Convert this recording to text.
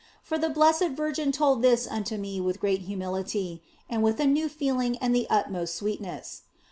For the Blessed Virgin told this unto me with great humility, and with a new feeling and the utmost sweetness.